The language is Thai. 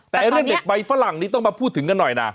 แต่เรื่องเด็กใบฝรั่งนี้ต้องมาพูดถึงกันหน่อยนะ